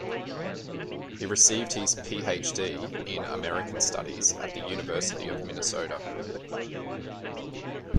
He received his Ph.D. in American Studies at the University of Minnesota.